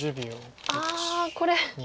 ああこれ。